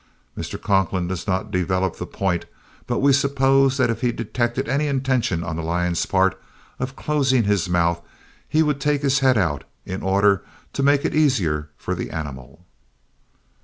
Mr. Conklin does not develop the point, but we suppose that if he detected any intention on the lion's part of closing his mouth he would take his head out in order to make it easier for the animal.